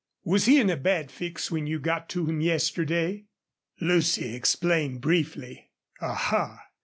Was he in a bad fix when you got to him yesterday?" Lucy explained briefly. "Aha!